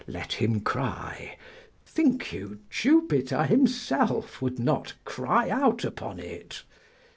let him cry. Think you Jupiter himself would not cry out upon it?"